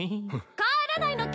帰らないのけ？